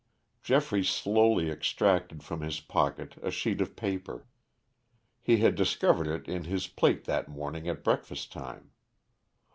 Geoffrey slowly extracted from his pocket a sheet of paper. He had discovered it in his plate that morning at breakfast time.